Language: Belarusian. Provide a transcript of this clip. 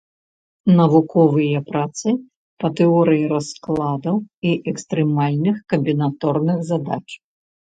Навуковыя працы па тэорыі раскладаў і экстрэмальных камбінаторных задач.